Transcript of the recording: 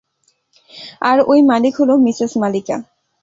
আর ওই মালিক হল মিসেস মালিকা।